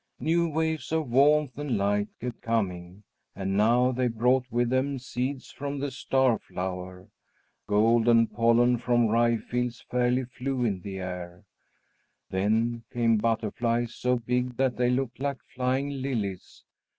New waves of warmth and light kept coming, and now they brought with them seeds from the star flower. Golden pollen from rye fields fairly flew in the air. Then came butterflies, so big that they looked like flying lilies.